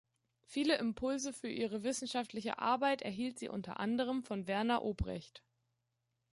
Viele Impulse für ihre wissenschaftliche Arbeit erhielt sie unter anderem von Werner Obrecht.